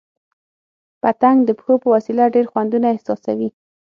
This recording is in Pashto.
پتنګ د پښو په وسیله ډېر خوندونه احساسوي.